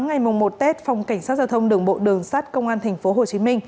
ngày một tết phòng cảnh sát giao thông đường bộ đường sát công an tp hcm